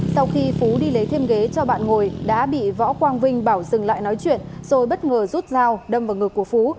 sau khi phú đi lấy thêm ghế cho bạn ngồi đã bị võ quang vinh bảo dừng lại nói chuyện rồi bất ngờ rút dao đâm vào ngực của phú